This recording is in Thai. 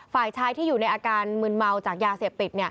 ฝ่ายชายที่อยู่ในอาการมืนเมาจากยาเสพติด